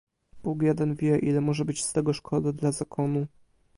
"Bóg jeden wie, ile może być z tego szkody dla Zakonu."